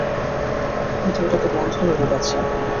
কিন্তু ওটা তো বন্ধ হয়ে গেছে।